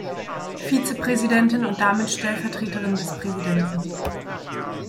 Vizepräsidentin und damit Stellvertreterin des Präsidenten.